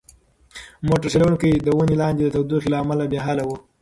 موټر چلونکی د ونې لاندې د تودوخې له امله بې حاله و.